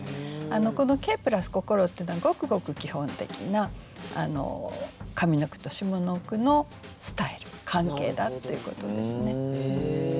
この「景」＋「心」っていうのはごくごく基本的な上の句と下の句のスタイル関係だっていうことですね。